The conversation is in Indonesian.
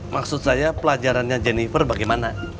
maksud saya pelajarannya jennifer bagaimana